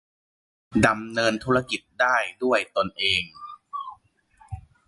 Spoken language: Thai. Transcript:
ดำเนินธุรกิจได้ด้วยตนเอง